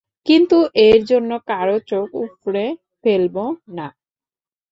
কিন্তু এর জন্য কারো চোখ উপড়ে ফেলব না।